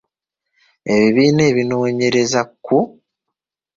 Ebibiina ebinoonyereza ku